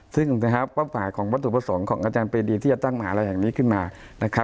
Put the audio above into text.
ซึ่งเพราะฝ่ายของประสูงพ์ของอาจารย์ปรีดีที่จะตั้งหมาแหล่างนี้ขึ้นมา